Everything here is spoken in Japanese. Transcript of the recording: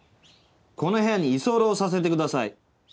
この部屋に居候させてください。